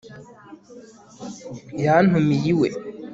yantumiye iwe